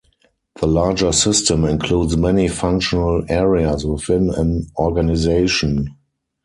The larger system includes many functional areas within an organization.